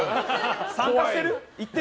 参加してる？